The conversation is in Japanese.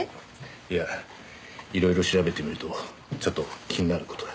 いや色々調べてみるとちょっと気になる事が。